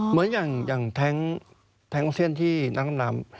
เหมือนอย่างแท็งค์อัลเซียนที่น้ำ